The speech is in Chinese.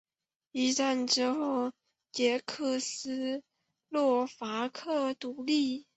一战之后捷克斯洛伐克独立。